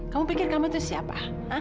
kamu pikir kamu itu siapa